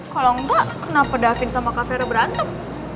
kalau enggak kenapa da vin sama kavero berantem